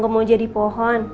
mau jadi pohon